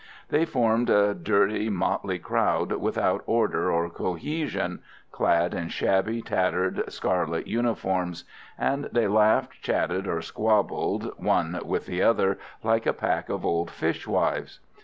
They formed a dirty, motley crowd, without order or cohesion clad in shabby, tattered scarlet uniforms; and they laughed, chatted or squabbled, one with the other, like a pack of old fishwives.